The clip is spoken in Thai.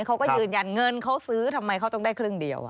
เขาก็ยืนยันเงินเขาซื้อทำไมเขาต้องได้ครึ่งเดียว